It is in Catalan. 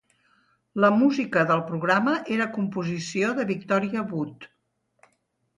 La música del programa era composició de Victoria Wood.